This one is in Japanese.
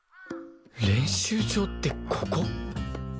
練習場ってここ？